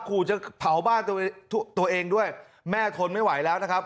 ขู่จะเผาบ้านตัวเองด้วยแม่ทนไม่ไหวแล้วนะครับ